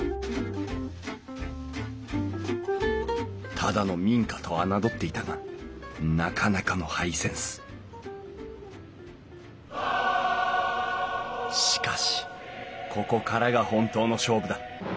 ただの民家と侮っていたがなかなかのハイセンスしかしここからが本当の勝負だ！